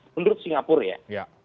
menurut singapura ya